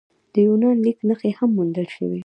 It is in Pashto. د یوناني لیک نښې هم موندل شوي